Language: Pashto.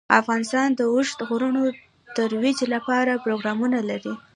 افغانستان د اوږده غرونه د ترویج لپاره پروګرامونه لري.